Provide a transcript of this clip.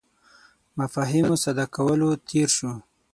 مفاهیمو ساده کولو تېر شو.